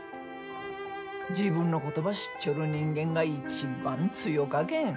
自分のことば知っちょる人間が一番強かけん。